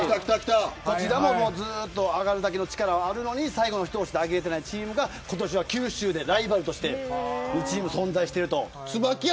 ずっと上がるだけの力はあるのに最後のひと押しで上がれていないチームが九州のライバルとして２チーム、存在している。